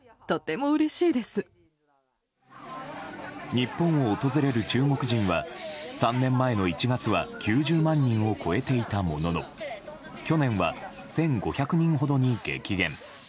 日本を訪れる中国人は３年前の１月は９０万人を超えていたものの去年は１５００人ほどに激減。